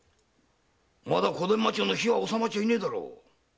まだ小伝馬町の火は治まっちゃいねえだろう？